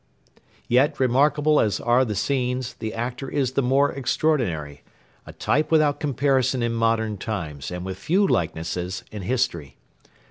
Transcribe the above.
Yet, remarkable as are the scenes, the actor is the more extraordinary; a type without comparison in modern times and with few likenesses in history.